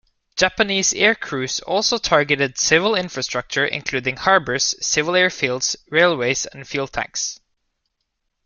Japanese aircrews also targeted civil infrastructure, including harbours, civil airfields, railways and fuel tanks.